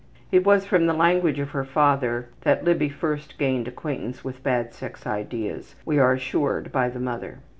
It was from the language of her father that Libby first gained acquaintance with bad sex ideas, we are assured by the mother.